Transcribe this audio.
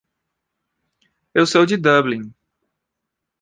Eu sou de Dublin.